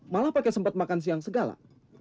malah pakai sempat makan siang segala